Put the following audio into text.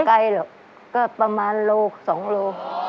ไม่ไกลหรอกก็ประมาณโล๒โล